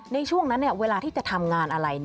ในช่วงนั้นเวลาที่จะทำงานอะไร